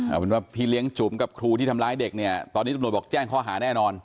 เอาเป็นว่าพี่เลี้ยงจุ๋มกับครูที่ทำร้ายเด็กเนี่ยตอนนี้ตำรวจบอกแจ้งข้อหาแน่นอน